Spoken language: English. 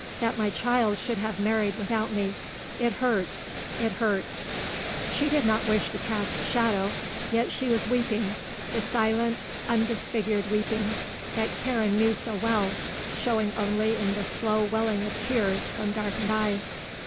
That my child should have married without me. It hurts. It hurts " She did not wish to cast a shadow, yet she was weeping, the silent, undisfigured weeping that Karen knew so well, showing only in the slow welling of tears from darkened eyes.